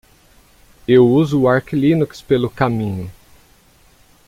Eu uso o Arch Linux pelo caminho.